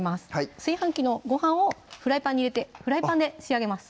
炊飯器のご飯をフライパンに入れてフライパンで仕上げます